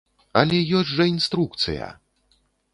Але ёсць жа інструкцыя!